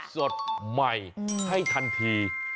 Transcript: สดใหม่ให้ทันที